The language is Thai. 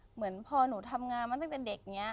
เหมือนพอหนูทำงานมาตั้งแต่เด็กอย่างนี้